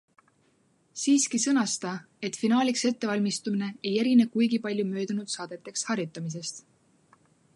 Siiski sõnas ta, et finaaliks ettevalmistumine ei erine kuigi palju möödunud saadeteks harjutamisest.